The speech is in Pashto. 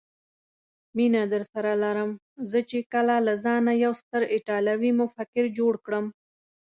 مینه درسره لرم، زه چې کله له ځانه یو ستر ایټالوي مفکر جوړ کړم.